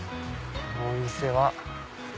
あのお店は。